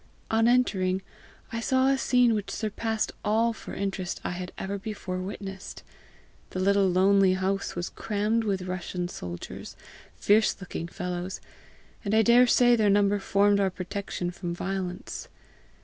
On entering I saw a scene which surpassed all for interest I had ever before witnessed. The little lonely house was crammed with Russian soldiers, fierce looking fellows, and I daresay their number formed our protection from violence.